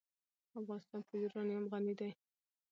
افغانستان په یورانیم غني دی.